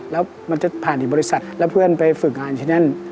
แล้วมันจะผ่านที่บริษัทแล้วเพื่อนไปฝึกงานที่นั่น